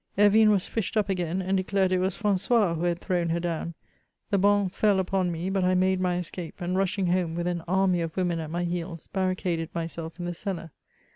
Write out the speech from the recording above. Hervine was fished up again, and dedared it was Francois who had thrown her down. The bonnes fell upon me, but I made my escape; and, rushing home, with an aiiny of women at my heels, barricaded myself in the cellar.